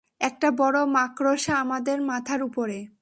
একটা বড় মাকড়সা আমাদের মাথার উপরে।